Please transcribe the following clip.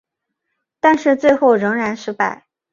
但是最后仍然失败。